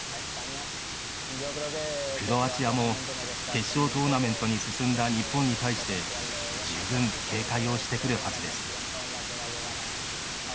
クロアチアも決勝トーナメントに進んだ日本に対して十分、警戒をしてくるはずです。